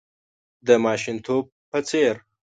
د ماشومتوب په څېر .